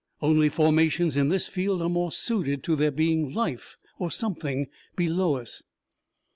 Only, formations in this field are more suited to there being life or something below us.